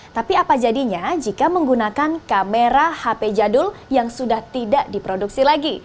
tapi apa jadinya jika menggunakan kamera hp jadul yang sudah tidak diproduksi lagi